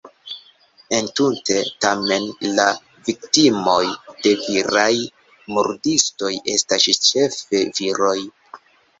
Entute tamen la viktimoj de viraj murdistoj estas ĉefe viroj.